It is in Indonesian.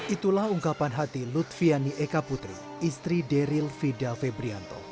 itulah ungkapan hati lutfi yani eka putri istri daryl fida febrianto